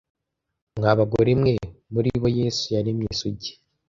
mwa bagore mwe muri bo yesu yaremye isugi